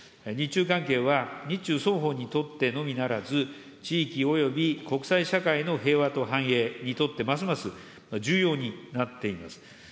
日中関係は日中双方にとってのみならず、地域および国際社会の平和と繁栄にとって、ますます重要になっています。